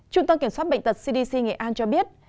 trung tâm kiểm soát bệnh tật cdc nghệ an cho biết